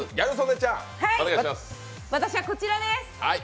私はこちらです。